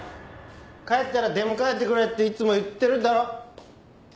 帰ったら出迎えてくれっていつも言ってるだろ。